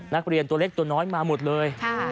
นักเรียนตัวเล็กตัวน้อยมาหมดเลย